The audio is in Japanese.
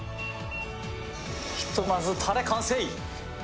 「ひとまずタレ完成！」